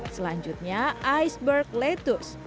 selanjutnya iceberg lettuce